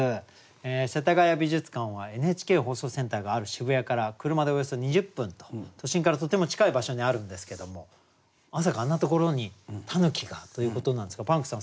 世田谷美術館はＮＨＫ放送センターがある渋谷から車でおよそ２０分と都心からとても近い場所にあるんですけどもまさかあんなところに狸がということなんですがパンクさん